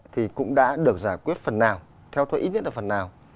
thì cũng đã được giải quyết phần nào theo tôi ít nhất là phần nào